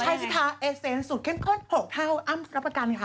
ใช้สิทธาเอเซนสุดเข้นเพิ่ม๖เท่าอัมรับประกันค่ะ